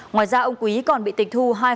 ngoài ra ông quý còn bị tịch thu